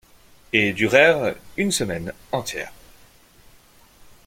et durèrent une semaine entière.